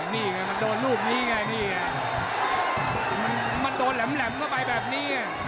นี่ไงมันโดนลูกนี้ไงนี่ไงมันโดนแหลมเข้าไปแบบนี้